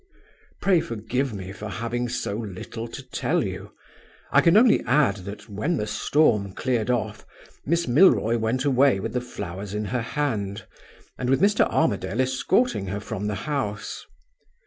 Pray forgive me for having so little to tell you. I can only add that, when the storm cleared off, Miss Milroy went away with the flowers in her hand, and with Mr. Armadale escorting her from the house.